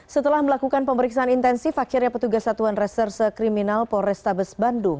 setelah melakukan pemeriksaan intensif akhirnya petugas satuan reserse kriminal polrestabes bandung